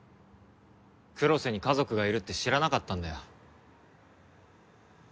黒瀬に家族がいるって知らなかったんだよ